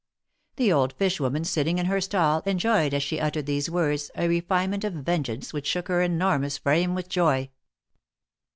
'^ The old fish woman, sitting in her stall, enjoyed, as she uttered these ^vords, a refinement of vengeance which shook her enormous frame with joy.